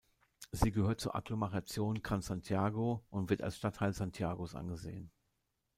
Sie gehört zur Agglomeration Gran Santiago und wird als Stadtteil Santiagos angesehen.